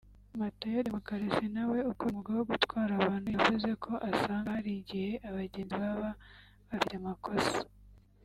Matayo Demokarasi nawe ukora umwuga wo gutwara abantu yavuze ko asanga hari igihe abagenzi baba bafite amakosa